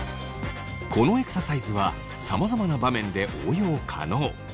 このエクササイズはさまざまな場面で応用可能。